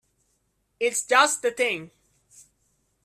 It's just the thing.